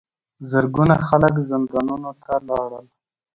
زرګونه خلک زندانونو ته لاړل.